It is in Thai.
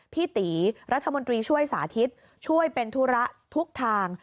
พี่ตีรัฐมนตรีช่วยสาธิตช่วยเป็นธุระทุกทาง